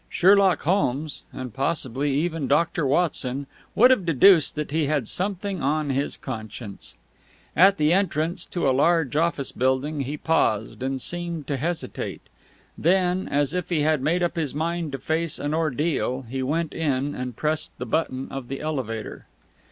Sherlock Holmes and possibly even Doctor Watson would have deduced that he had something on his conscience. At the entrance to a large office building, he paused, and seemed to hesitate. Then, as if he had made up his mind to face an ordeal, he went in and pressed the button of the elevator.